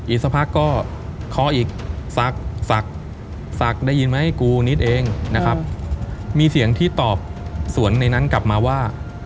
อีกสักพักก็เคาะอีกสักได้ยินไหมกูนิดเองนะครับมีเสียงที่ตอบสวนในนั้นกลับมาว่า